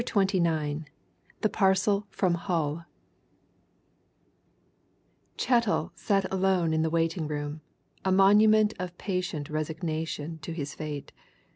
CHAPTER XXIX THE PARCEL FROM HULL Chettle sat alone in the waiting room, a monument of patient resignation to his fate.